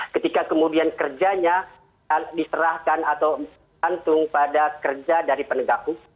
ketika kemudian kerjanya diserahkan atau antung pada kerja dari penegak hukum